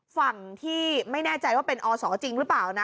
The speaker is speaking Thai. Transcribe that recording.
ฝั่งที่ไม่แน่ใจว่าเป็นอศจริงหรือเปล่านะ